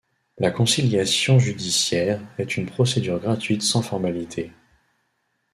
La conciliation judiciaire est une procédure gratuite sans formalité.